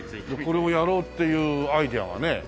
これをやろうっていうアイデアがね。